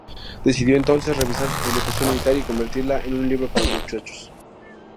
Decidió entonces revisar su publicación militar y convertirla en un libro para muchachos.